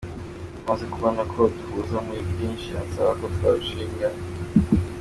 Amaze kubona ko duhuza muri byinshi ansaba ko twarushinga.